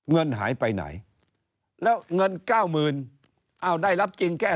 เงินหายไปไหนแล้วเงิน๙๐๐๐๐เอ้าได้รับจริงแก้๓๐๐๐๐